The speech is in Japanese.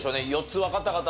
４つわかった方？